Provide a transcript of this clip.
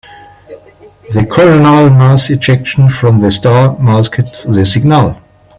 The coronal mass ejection from the star masked the signal.